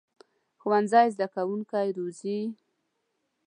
ښوونځی زده کوونکي روزي